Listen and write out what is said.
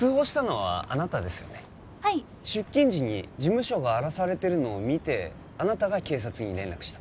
はい出勤時に事務所が荒らされてるのを見てあなたが警察に連絡した？